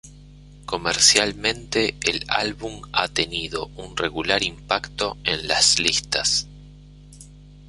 Comercialmente, el álbum ha tenido un regular impacto en las listas.